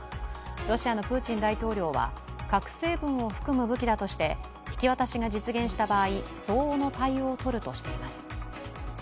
ロシアのプーチン大統領は、核成分を含む武器だとして引き渡しが実現した場合、相応の対応をとるとしています。